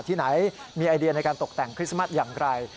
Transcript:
ที่ไหนมีไอเดียในการตกแต่งคริสต์มัสอย่างไร